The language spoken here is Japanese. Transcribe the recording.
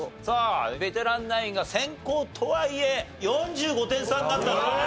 さあベテランナインが先攻とはいえ４５点差になったんだ。